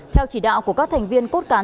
theo chỉ đạo của các thành viên cốt cán